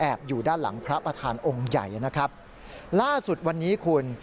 อยู่ด้านหลังพระประธานองค์ใหญ่นะครับล่าสุดวันนี้คุณ